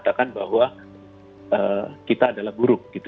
itu mengatakan bahwa kita adalah buruk